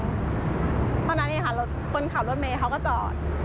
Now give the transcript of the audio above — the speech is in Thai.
เท่านั้นเองค่ะคนขับรถเมย์เขาก็จอด